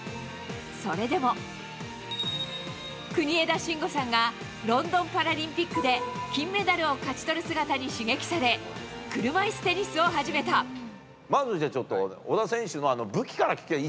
それでも、国枝慎吾さんがロンドンパラリンピックで金メダルを勝ち取る姿にまず、じゃあちょっと、小田選手の武器から聞こう。